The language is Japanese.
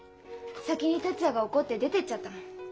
先に達也が怒って出ていっちゃったもん。